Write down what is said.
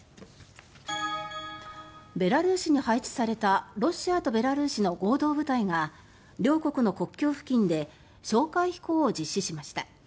ベラルーシに配置されたロシアとベラルーシの合同部隊が両国の国境付近で哨戒飛行を実施しました。